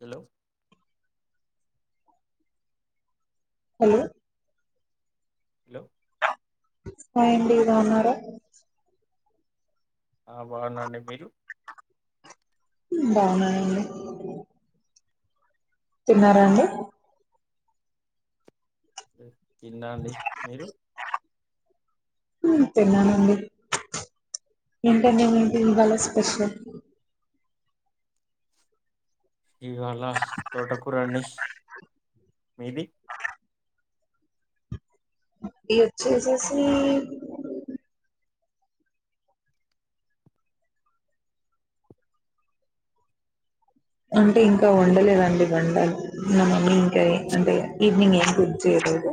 Hello hello hello [unintelligible] అన్నార ఆ బావునండి మీరు బాగున్నామండి తిన్నారా అండి తింనా అండి మీరు తిన్నానండి ఇంకా నేను ఏంటి ఇవళ స్పెషల్ ఇవాళ తోటకూరండి మీది [unintelligible] చేసేసి అంటే ఇంకా వండలేదండి వండాలి మా మమ్మీ ఇంకా అంటే ఈవినింగ్ ఏం కుక్ చేయలేదు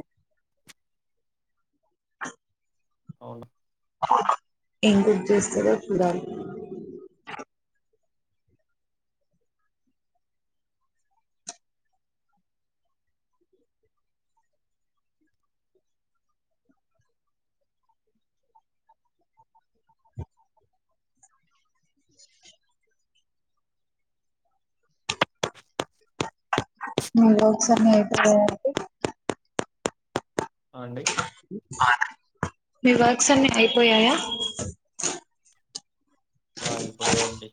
అవున ఏం కుక్ చేస్తదో చూడాలి మీ వర్క్స్ అన్ని అయిపోయయాండి అండి [unintelligible] మీ వర్క్స్ అన్ని ఐపోయాయా ఆ ఇప్పుడేంటి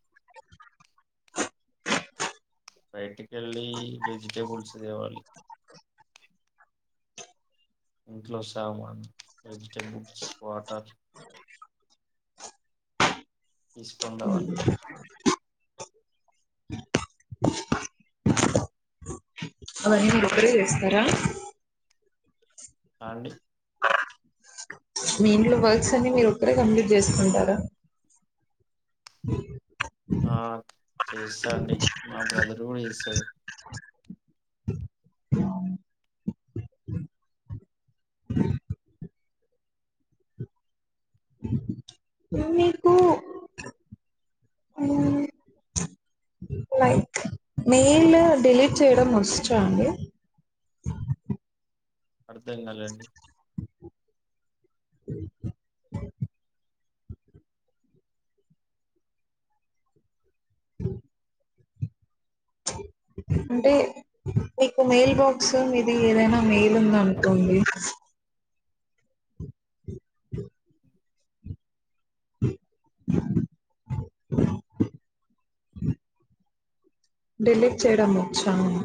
బయటికెళ్ళి వెజిటేబుల్స్ దేవాలి ఇంట్లో సామాన్ వెజిటబుల్స్ వాటర్ తీసుకొని రావాలి మ్మ్ అవన్నీ మీ మీ ఒక్కరే చేస్తారా అ అండి మీ ఇంట్లో వర్క్స్ అన్ని మీరు ఒక్కరే కంప్లీట్ చేసుకుంటారా ఆ చేస్తాండి మా బ్రదర్ కూడా చేస్తడు మీకు మ్మ్ లైక్ మెయిల్ డిలీట్ చేయడం వచ్చా అండి అర్థం కాలేఅండి అంటే మీకు మెయిల్ బాక్స్ మీది ఏదైనా మెయిల్ ఉందనుకోండి డెలిట్ చేయడం వచ్చా ఆన్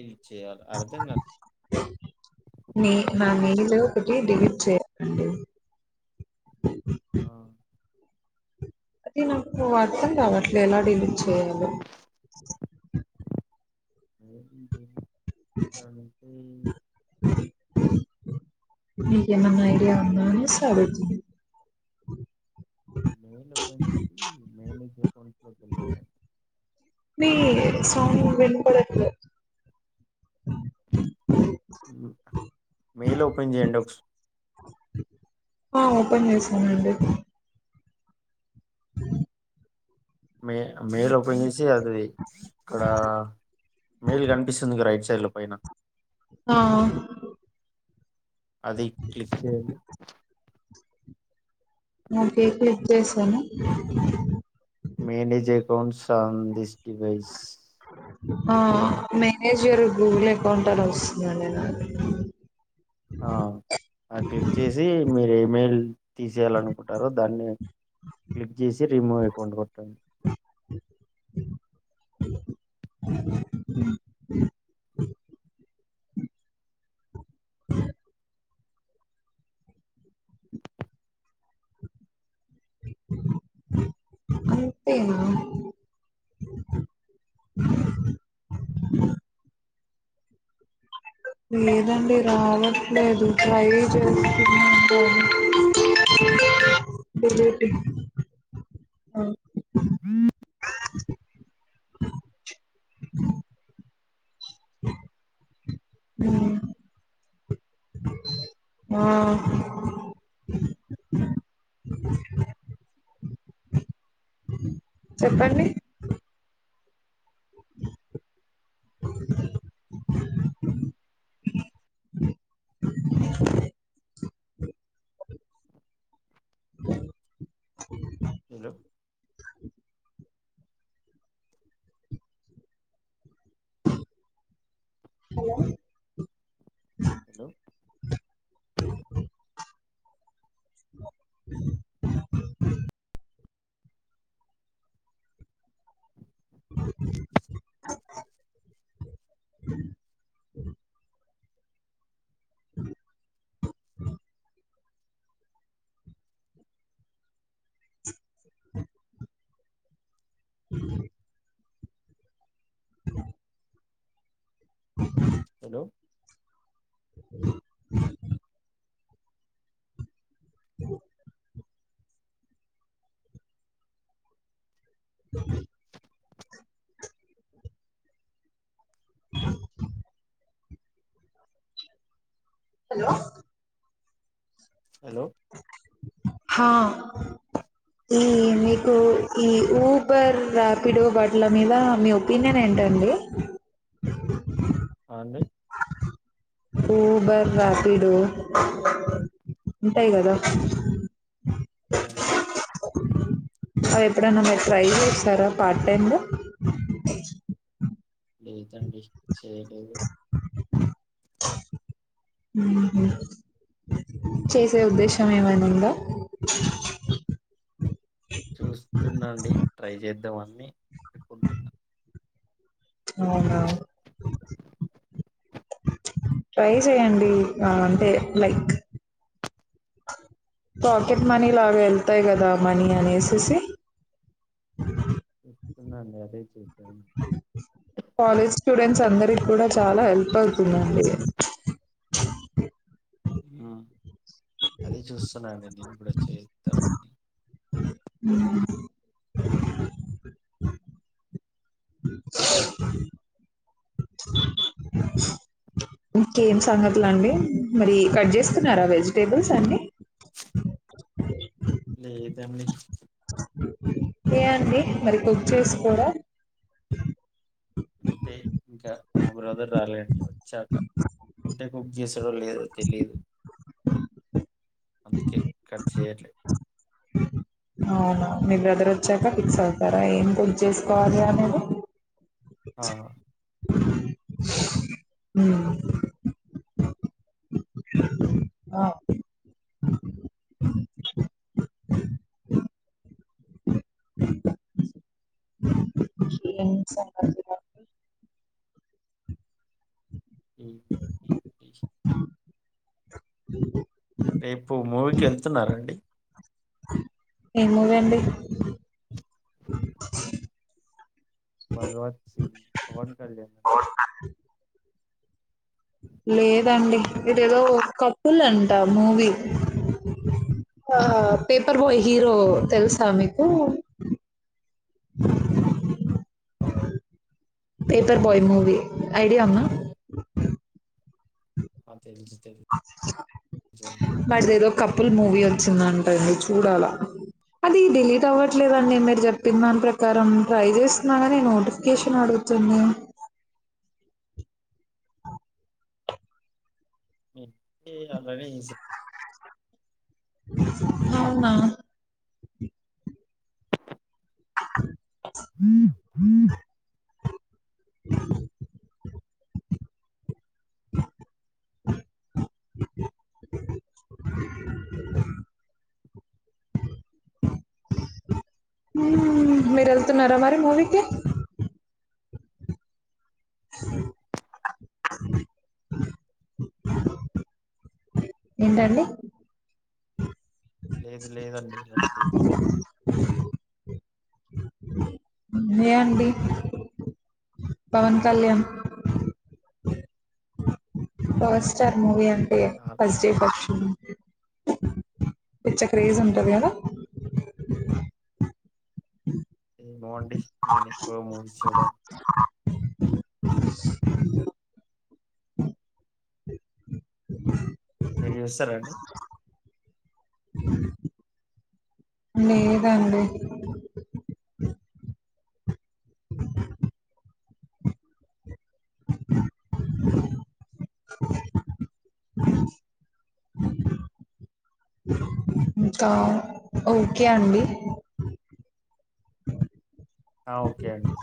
ఇది చేయాలి అర్థం కాలే నె నా మెయిలు ఒకటి డెలిట్ చేయాలి అండి ఆ అది నాకు అర్థం కావట్లే ఎలా డిలీట్ చేయాలి మెయిల్ డిలీట్ కానికి నీకేమన్నా ఐడియా ఉందా అనేషి అడుగుతుంది మెల్ ఓపెన్ చేసి మేల్ మీ సౌండు వినబడట్లే మెయిల్ ఓపెన్ చేయండి ఓక్స్ ఆ! ఓపెన్ చేసానండి మే మెయిల్ ఓపెన్ చేసి ఇచ్చేది ది ఇక్కడ మెయిల్ కనిపిస్తుంది రైట్ సైడ్ లో పైన ఆ అది క్లిక్ చేయండి ఓకే క్లిక్ చేసాను manage accounts on this device ఆ క్లిక్ చేయండి మేనేజ్ నేజ్ యువర్ గూగుల్ అకౌంట్ అని వస్తుందండి నాకు ఆ ఆ క్లిక్ చేసి మీరు మేల్ తీసేయాలనుకుంటారు దాన్ని క్లిక్ చేసి రిమూవ్ అకౌంట్ కొట్టండి [unintelligible] [unintelligible] అంతే నా లేదండి రావట్లేదు ట్రై చేస్తు [unintelligible] [unintelligible] ఆ చెప్పండి [unintelligible] హలో [unintelligible] హలో హలో [unintelligible] [unintelligible] [unintelligible] [unintelligible] [inaudible] [inaudible] అ [inaudible] అ [inaudible] హలో [inaudible] అ [inaudible] హలో హలో హ ఈ మీకు ఈ ఊబర్ ర్యాపిడో బట్ల మీద మీ ఒపీనియన్ ఏంటండి హా అండి ఊబర్ రాపిడో ఉంటాయి కదా ఆహ్ అవి ఎప్పుడన్నా మీరు ట్రై చేసారా పార్ట్ టైము లేదండి చేయలేదు చేసే ఉద్దేశం ఏమైనా ఉందా చూస్తున్నాండి ట్రై చేద్దాంన్ అని అనుకుంటున్న అవునా ట్రై చె్యడి అంటే లైక్ పాకెట్ మనీ లాగెళ్తాయి కదా మనీ అనేసేసి అదేద సన్నా అండి అదే చె అందరిక కూడా చాలా హెల్ప్ అవుతుందండి ఆ అదే చూస్తున్నానండి నేను కూడా చేద్దామని అ ఇంకేం సంగతులండి మరి కట్ జేస్తున్నారా వెజిటేబుల్స్ అన్నీ లేదండి ఏ అండి మరి కుక్ జేసుకోరా అంతే ఇంకా మా బ్రదర్ రాలేండి వచ్చాక అంటే కొ లేదు తెలియదు అందుకే కట్ చేయాలి అవునా మీ బ్రదర్ వచ్చాక ఫిక్స్ అవుతారా ఏం కుక్ జేసుకోవాలో అనేది ఆ ఉ ఏం సంగతులు అండి? ఈ అండి. రేపు మూవీకి యెళ్తున్నారండి ఏం మూవీ అండి భగవత్ సింగ్ పవన్ కళ్యాణ్ లేదండి ఇదేదో కపుల్ అంట మూవీ ఆ పేపర్ బాయ్ హీరో తెలుసా మీకు పేపర్ బాయ్ మూవి ఐడియా ఉందా ఆ! తెలుసు తెలుసండి. బట్ దేదో కపుల్ మూవీ వ వచ్చిందంటండి చూడాలా అది డిలీట్ అవ్వట్లేదండి మీరు జెప్పిన దాని ప్రకారం ట్రై చేస్తున్నాగాని నోటిఫికేషన్ అడుగుతుంది. అలానే చేసా అవునా మీరు వెళ్తున్నారా మరి మూవీకి చేసేదాన్ని. ఏంటండి లేదు లేదండి ఎళ్లట్లేదు ఏ అండి Pawan Kalyan power star movie అన్ ఫస్ట్ డే ఫస్ట్ షో పిచ్చ క్రేజ్ ఉంటది కదా ఏం బాగుంట నేను ఎక్కువ మూవీస్ చూడను మీరు చూస్తారండి లేదు అండి ఇంకా ఓకే అండి ఆ ఓకే అండి